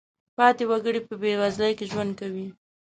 پاتې وګړي په بېوزلۍ کې ژوند کوي.